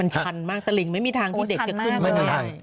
ชันมากตะลิงไม่มีทางที่เด็กจะขึ้นมาได้